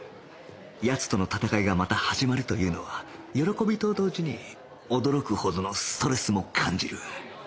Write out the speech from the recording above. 奴との戦いがまた始まるというのは喜びと同時に驚くほどのストレスも感じる